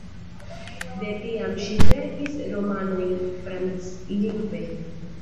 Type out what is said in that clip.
De tiam ŝi verkis romanojn franclingve.